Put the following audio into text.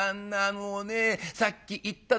もうねさっき言ったでしょ？